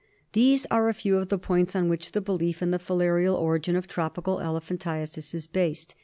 These are a few of the points on which the belief in the filarial origin of tropical elephantiasis is based.